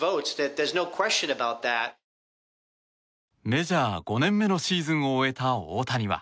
メジャー５年目のシーズンを終えた大谷は。